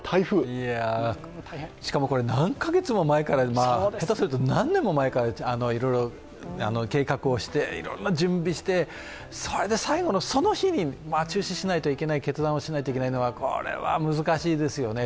いや、しかもこれ何カ月も前から、下手すると何年も前からいろいろ計画をしていろいろな準備して、最後のその日に中止しないといけない決断をしないといけないのはこれは難しいですよね。